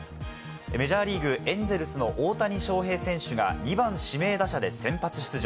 メジャーリーグ、エンゼルスの大谷翔平選手が２番・指名打者で先発出場。